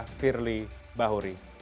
kpk firly bahuri